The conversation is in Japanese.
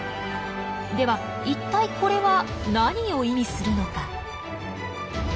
では一体これは何を意味するのか？